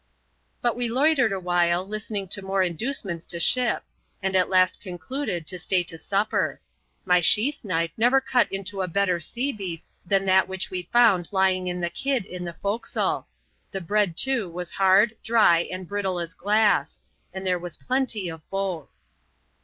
But we loitered awhile, listening to more inducements to ship ; and at last concluded to stay to supper. My sheath knife never cut into better sea beef than that whieh we found lying in the kid in the forecastle. The breads too^ was hard, dry, and brittle as glass ; and there was plenty of both.